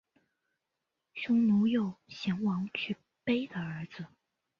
匈奴右贤王去卑的儿子。